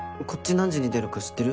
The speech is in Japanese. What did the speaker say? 何時に出るか知ってる？